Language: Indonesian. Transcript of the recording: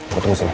gue tunggu sini